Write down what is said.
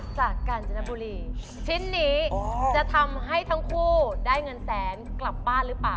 กาญจนบุรีชิ้นนี้จะทำให้ทั้งคู่ได้เงินแสนกลับบ้านหรือเปล่า